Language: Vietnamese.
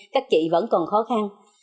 các chị vẫn còn khó khăn